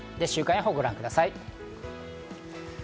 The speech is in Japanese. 週間予報をご覧ください。